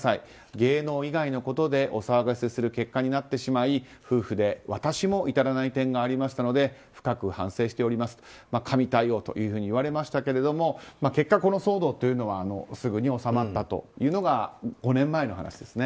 芸能以外のことでお騒がせする結果になってしまい夫婦で私も至らない点がありましたので深く反省しておりますと神対応というふうにいわれましたけれども結果、この騒動というのはすぐに収まったというのが５年前の話ですね。